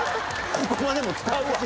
ここはでも使うわ！